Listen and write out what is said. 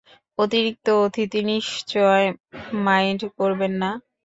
অতিরিক্ত অতিথি নিশ্চয় মাইন্ড করবেন না?